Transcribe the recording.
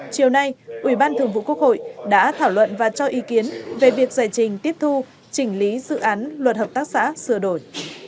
chiều nay ủy ban thường vụ quốc hội đã thảo luận và cho ý kiến về việc giải trình tiếp thu chỉnh lý dự án luật hợp tác xã sửa đổi